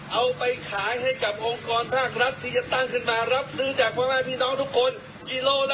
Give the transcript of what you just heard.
เอาไปขายให้กับองค์กรภาครัฐที่จะตั้งขึ้นมา